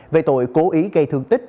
về tội cố ý gây thương tích